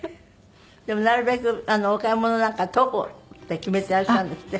でもなるべくお買い物なんかは徒歩って決めていらっしゃるんですって？